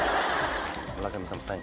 村上さんもサイン。